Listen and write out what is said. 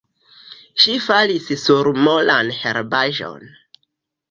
Ŝi falis sur molan herbaĵon.